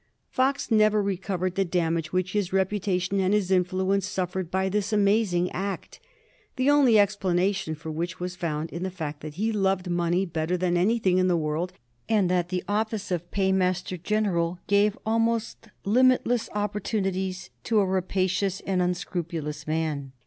Fox never recovered the damage which his reputation and his influence suffered by this amazing act ; the only explanation for which was found in the fact that he loved money better than any thing in the world, and that the office of Paymaster gen eral gave almost limitless opportunities to a rapacious and unscrupulous man.